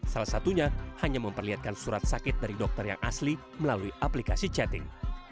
salah satunya hanya memperlihatkan surat sakit dari dokter yang asli melalui aplikasi chatting